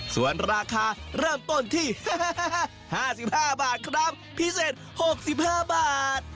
ส่วนราคาเริ่มต้นที่๕๕บาทครับพิเศษ๖๕บาท